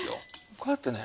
こうやってね